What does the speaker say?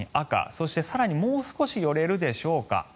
そして、更にもう少し寄れるでしょうか。